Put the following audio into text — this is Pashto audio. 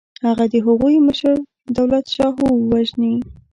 هغه د هغوی مشر دولتشاهو وژني.